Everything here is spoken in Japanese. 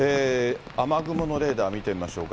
雨雲のレーダーを見てみましょうか。